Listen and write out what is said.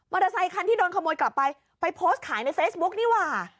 เตอร์ไซคันที่โดนขโมยกลับไปไปโพสต์ขายในเฟซบุ๊กนี่ว่า